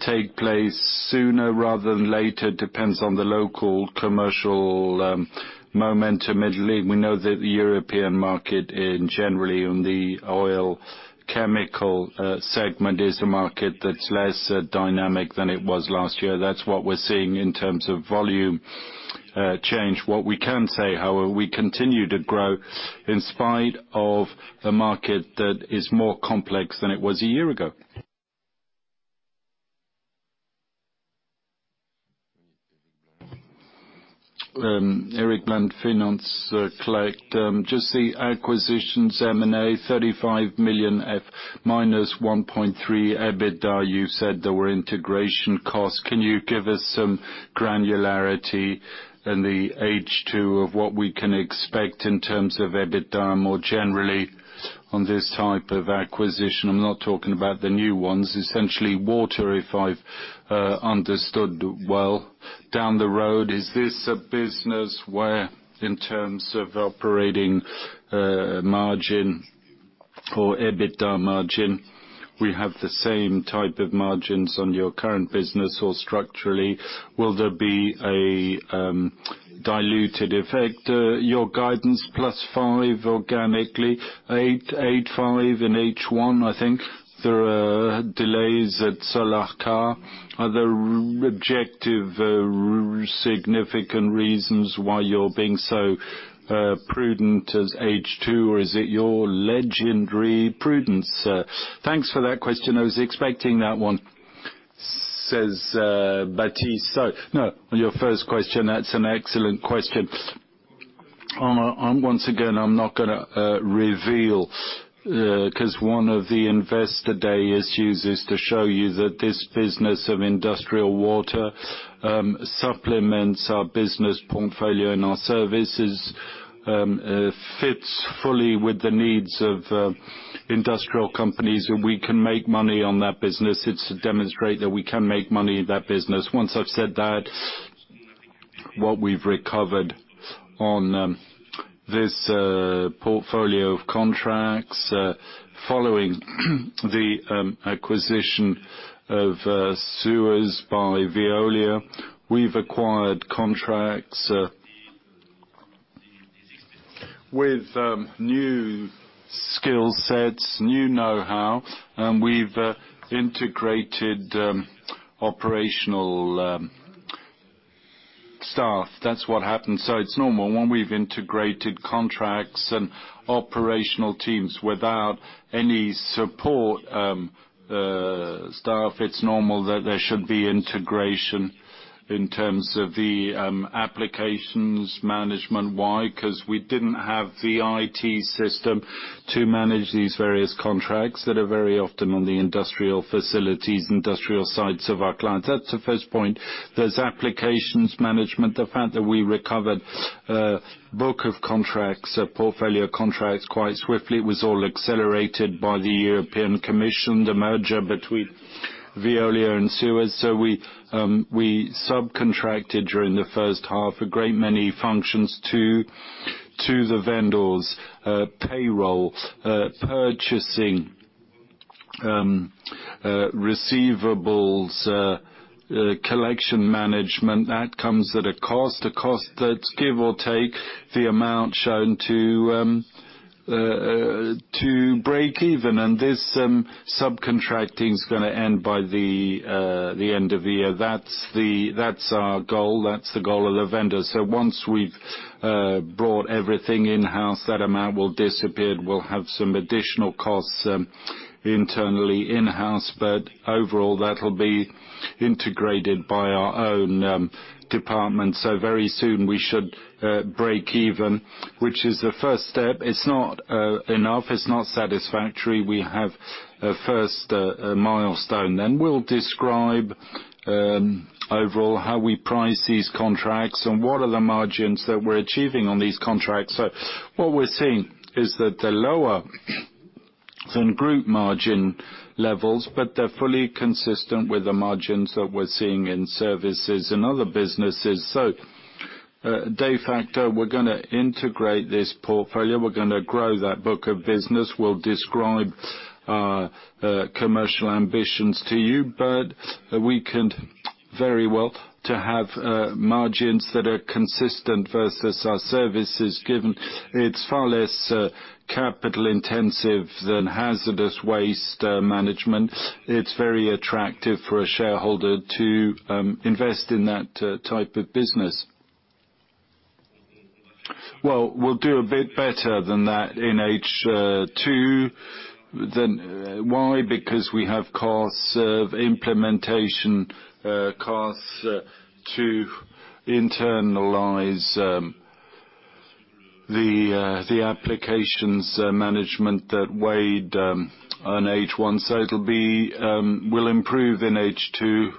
take place sooner rather than later, depends on the local commercial momentum. Italy, we know that the European market in generally in the oil chemical segment, is a market that's less dynamic than it was last year. That's what we're seeing in terms of volume change. What we can say, however, we continue to grow in spite of a market that is more complex than it was a year ago. Eric Blain, Finance Collect. Just the acquisitions M&A, 35 million at -1.3 EBITDA. You said there were integration costs. Can you give us some granularity in the H2 of what we can expect in terms of EBITDA, more generally, on this type of acquisition? I'm not talking about the new ones, essentially water, if I've understood well. Down the road, is this a business where, in terms of operating margin or EBITDA margin, we have the same type of margins on your current business, or structurally, will there be a diluted effect? Your guidance +5 organically, 8-5 in H1, I think. There are delays at Solarca. Are there objective, significant reasons why you're being so prudent as H2, or is it your legendary prudence? Thanks for that question. I was expecting that one. So, no, on your first question, that's an excellent question. I'm once again, I'm not gonna reveal 'cause one of the Investor Day issues is to show you that this business of industrial water supplements our business portfolio and our services fits fully with the needs of industrial companies, and we can make money on that business. It's to demonstrate that we can make money in that business. Once I've said that, what we've recovered on this portfolio of contracts following the acquisition of Suez by Veolia, we've acquired contracts with new skill sets, new know-how, and we've integrated operational staff. That's what happened. So it's normal when we've integrated contracts and operational teams without any support staff, it's normal that there should be integration in terms of the applications, management. Why? 'Cause we didn't have the IT system to manage these various contracts that are very often on the industrial facilities, industrial sites of our clients. That's the first point. There's applications management. The fact that we recovered a book of contracts, a portfolio of contracts, quite swiftly, it was all accelerated by the European Commission, the merger between Veolia and Suez. So we subcontracted during the first half, a great many functions to the vendors, payroll, purchasing, receivables, collection management. That comes at a cost, a cost that's give or take the amount shown to to break even, and this subcontracting is gonna end by the end of the year. That's our goal. That's the goal of the vendor. So once we've brought everything in-house, that amount will disappear. We'll have some additional costs internally in-house, but overall, that'll be integrated by our own department. So very soon, we should break even, which is the first step. It's not enough. It's not satisfactory. We have a first, a milestone. Then we'll describe overall, how we price these contracts and what are the margins that we're achieving on these contracts. So what we're seeing is that they're lower than group margin levels, but they're fully consistent with the margins that we're seeing in services and other businesses. So, de facto, we're gonna integrate this portfolio, we're gonna grow that book of business. We'll describe our, commercial ambitions to you, but we can very well to have, margins that are consistent versus our services, given it's far less, capital intensive than hazardous waste, management. It's very attractive for a shareholder to, invest in that, type of business. Well, we'll do a bit better than that in H2. Then, why? Because we have costs of implementation, costs, to internalize, the, the applications, management that weighed, on H1. So it'll be, we'll improve in H2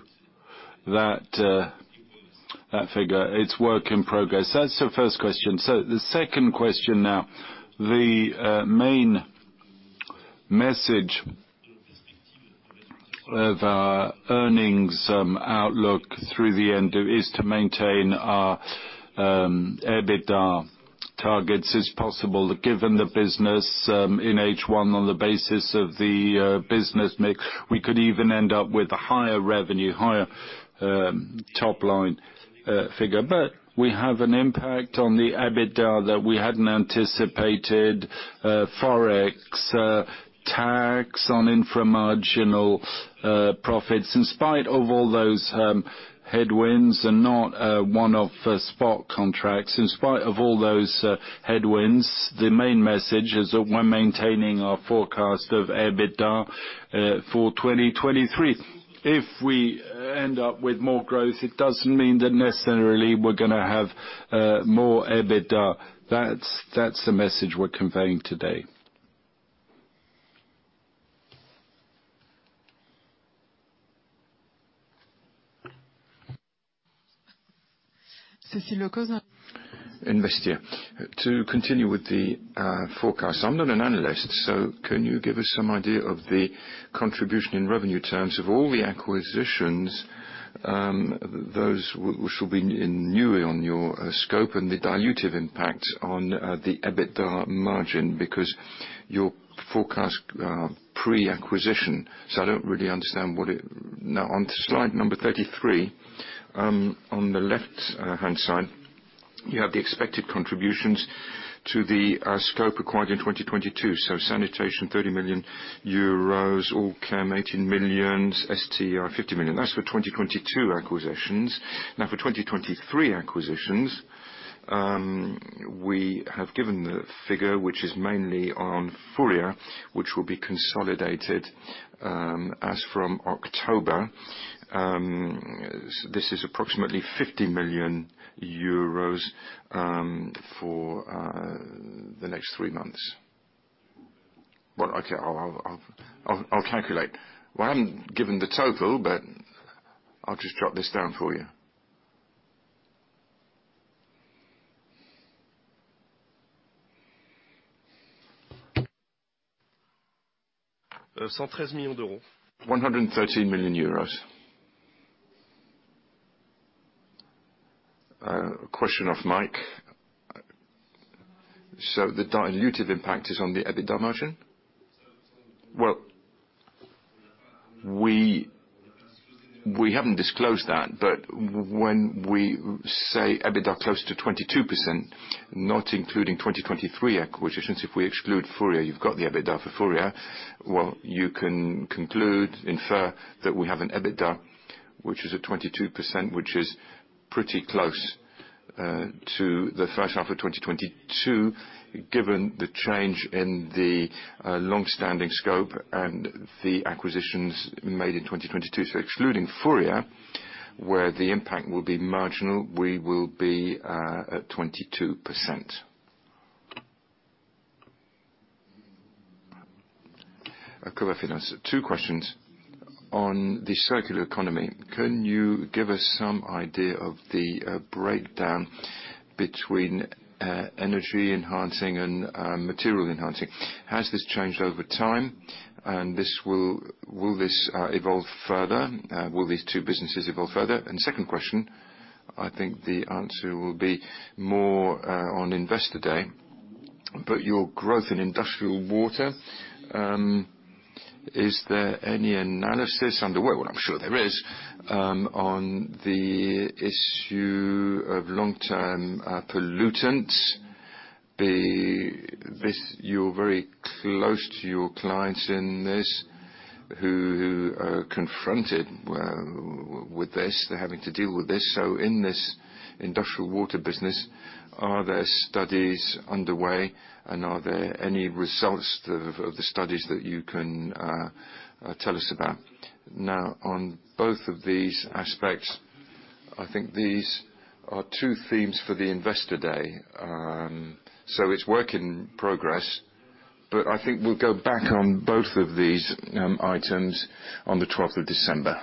that, that figure, it's work in progress. That's the first question. So the second question now, the main message of our earnings outlook through the end of is to maintain our EBITDA targets. It's possible that given the business in H1 on the basis of the business mix, we could even end up with a higher revenue, higher top line figure. But we have an impact on the EBITDA that we hadn't anticipated, Forex tax on infra-marginal profits. In spite of all those headwinds and not one of the spot contracts, in spite of all those headwinds, the main message is that we're maintaining our forecast of EBITDA for 2023. If we end up with more growth, it doesn't mean that necessarily we're gonna have more EBITDA. That's the message we're conveying today. Cécile L'Héritier, Investia. To continue with the forecast, I'm not an analyst, so can you give us some idea of the contribution in revenue terms of all the acquisitions, those which will be newly on your scope, and the dilutive impact on the EBITDA margin? Because your forecast pre-acquisition, so I don't really understand what it? Now, on slide number 33, on the left-hand side, you have the expected contributions to the scope acquired in 2022. So sanitation, 30 million euros, All'Chem, 18 million, STI, 50 million. That's for 2022 acquisitions. Now, for 2023 acquisitions, we have given the figure, which is mainly on Furia, which will be consolidated as from October. This is approximately 50 million euros for the next three months. Well, okay, I'll calculate. Well, I'm given the total, but I'll just jot this down for you. 113 million euros. 113 million euros. Question of Mike. So the dilutive impact is on the EBITDA margin? Well, we haven't disclosed that, but when we say EBITDA close to 22%, not including 2023 acquisitions, if we exclude Furia, you've got the EBITDA for Furia. Well, you can conclude, infer, that we have an EBITDA, which is at 22%, which is pretty close to the first half of 2022, given the change in the long-standing scope and the acquisitions made in 2022. So excluding Furia, where the impact will be marginal, we will be at 22%. COL Finance. Two questions. On the circular economy, can you give us some idea of the breakdown between energy enhancing and material enhancing? Has this changed over time, and this will—will this evolve further? Will these two businesses evolve further? Second question, I think the answer will be more on Investor Day, but your growth in industrial water, is there any analysis underway, well, I'm sure there is, on the issue of long-term pollutants? This, you're very close to your clients in this, who are confronted with this, they're having to deal with this. So in this industrial water business, are there studies underway, and are there any results of the studies that you can tell us about? Now, on both of these aspects, I think these are two themes for the Investor Day. So it's work in progress, but I think we'll go back on both of these items on the 12th of December.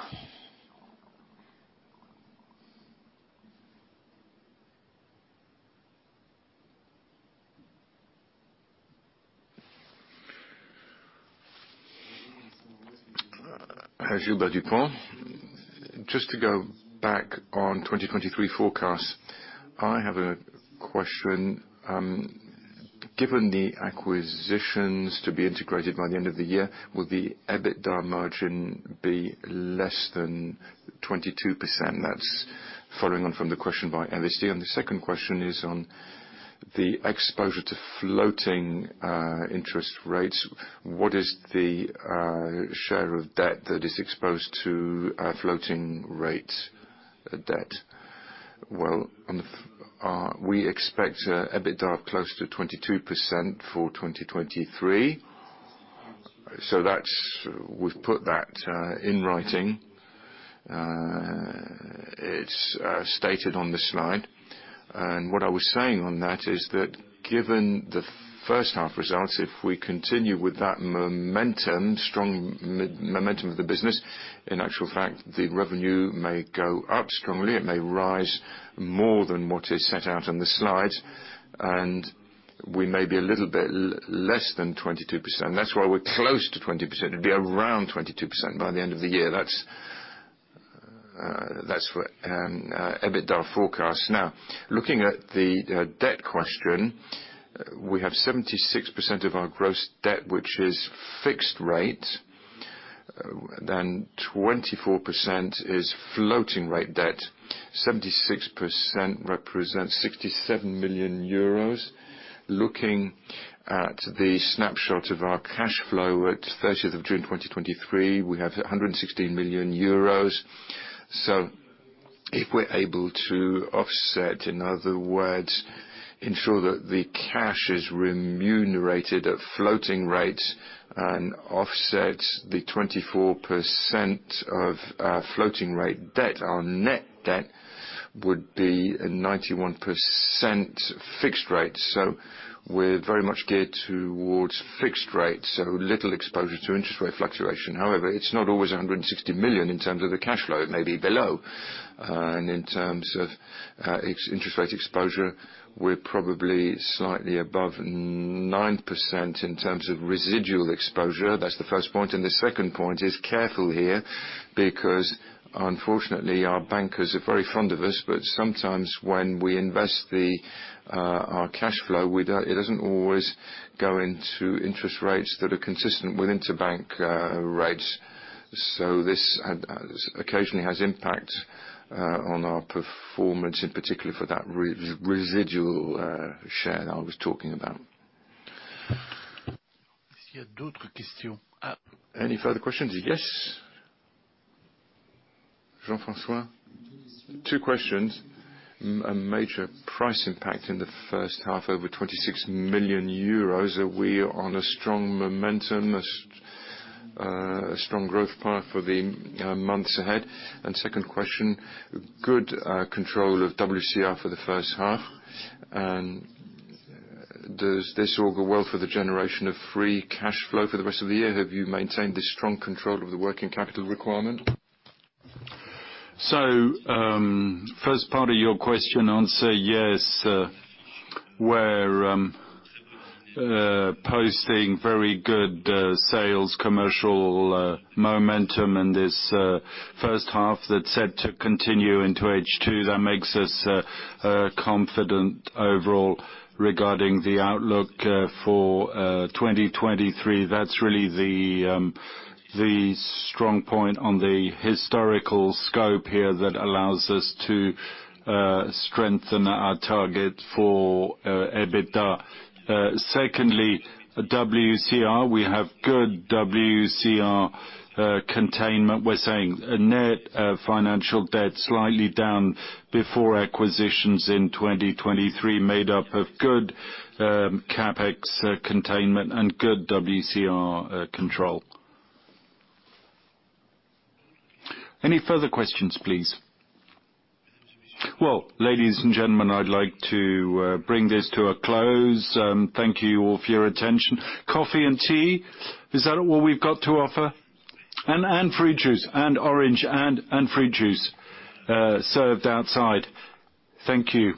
Gilbert Dupont. Just to go back on 2023 forecast, I have a question. Given the acquisitions to be integrated by the end of the year, will the EBITDA margin be less than 22%? That's following on from the question by NBC. And the second question is on the exposure to floating interest rates. What is the share of debt that is exposed to a floating rate debt? Well, on the, we expect EBITDA close to 22% for 2023. So that's, we've put that in writing. It's stated on the slide, and what I was saying on that is that given the first half results, if we continue with that momentum, strong momentum of the business, in actual fact, the revenue may go up strongly. It may rise more than what is set out on the slides, and we may be a little bit less than 22%. That's why we're close to 20%. It'd be around 22% by the end of the year. That's, that's what, EBITDA forecast. Now, looking at the, debt question, we have 76% of our gross debt, which is fixed rate, then 24% is floating rate debt. 76% represents 67 million euros. Looking at the snapshot of our cash flow at 30th of June 2023, we have 116 million euros. So if we're able to offset, in other words, ensure that the cash is remunerated at floating rates and offset the 24% of, floating rate debt, our net debt would be 91% fixed rate. So we're very much geared towards fixed rate, so little exposure to interest rate fluctuation. However, it's not always 160 million in terms of the cash flow. It may be below. In terms of its interest rate exposure, we're probably slightly above 9% in terms of residual exposure. That's the first point, and the second point is careful here, because unfortunately, our bankers are very fond of us, but sometimes when we invest the our cash flow, it doesn't always go into interest rates that are consistent with interbank rates. So this occasionally has impact on our performance, in particular for that residual share that I was talking about. Any other questions? Any further questions? Yes. Jean-François? Two questions. A major price impact in the first half, over 26 million euros. Are we on a strong momentum, strong growth path for the months ahead? And second question, good control of WCR for the first half. And does this all go well for the generation of free cash flow for the rest of the year? Have you maintained this strong control of the working capital requirement? So, first part of your question, I'll say yes. We're posting very good sales, commercial momentum in this first half. That's set to continue into H2. That makes us confident overall regarding the outlook for 2023. That's really the strong point on the historical scope here that allows us to strengthen our target for EBITDA. Secondly, WCR, we have good WCR containment. We're saying a net financial debt slightly down before acquisitions in 2023, made up of good CapEx containment and good WCR control. Any further questions, please? Well, ladies and gentlemen, I'd like to bring this to a close. Thank you all for your attention. Coffee and tea, is that all we've got to offer? And fruit juice, and orange and fruit juice served outside. Thank you.